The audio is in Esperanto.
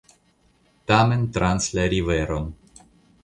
Tamen trans la riveron.